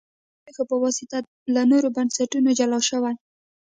دا د تاریخي پېښو په واسطه له نورو بنسټونو جلا شوي